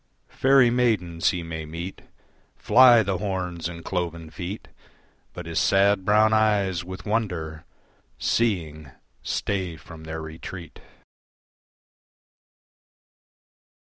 Faerie maidens he may meet Fly the horns and cloven feet, But, his sad brown eyes with wonder Seeing stay from their retreat.